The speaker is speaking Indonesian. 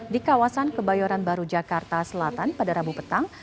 di kawasan kebayoran baru jakarta selatan pada rabu petang